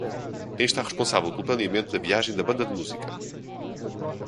Quem está responsável pelo planeamento da viagem da banda de música?